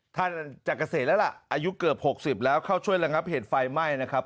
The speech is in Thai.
จากเกษตรแล้วล่ะอายุเกือบ๖๐แล้วเข้าช่วยระงับเหตุไฟไหม้นะครับ